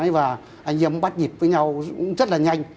và anh em bắt nhịp với nhau cũng rất là nhanh